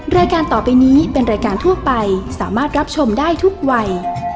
รายการต่อไปนี้เป็นรายการทั่วไปสามารถรับชมได้ทุกวัย